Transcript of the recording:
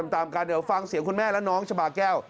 ตามกันเดี๋ยวฟังเสียงคุณแม่และน้องชะบาแก้ว